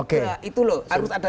nah itu loh harus ada